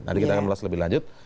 nanti kita akan ulas lebih lanjut